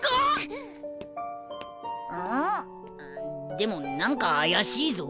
でも何か怪しいぞ。